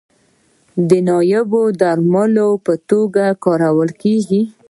عناب د درملو په توګه کارول کیږي.